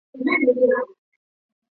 清朝及中华民国军事将领。